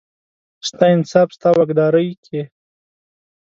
ستا انصاف، ستا واکدارۍ کې،